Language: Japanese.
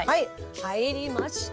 入りました！